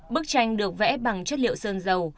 bức tranh được vẽ bằng chất liệu sơn dầu